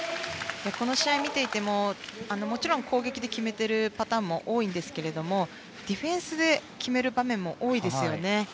この試合を見ていてももちろん攻撃で決めているパターンも多いんですけどもディフェンスで決める場面も多いですよね。